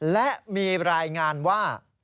และมีรายงานว่า